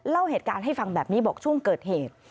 เล่าเหตุการณ์ให้ฟังแบบนี้บอกช่วงเกิดเหตุ